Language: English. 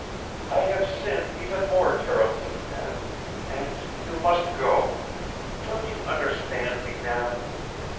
I have sinned even more terribly, and and you must go. Don't you understand me now?